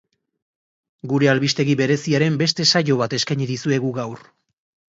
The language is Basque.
Gure albistegi bereziaren beste saio bat eskaini dizuegu gaur.